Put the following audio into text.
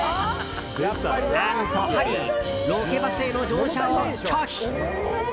何とハリーロケバスへの乗車を拒否。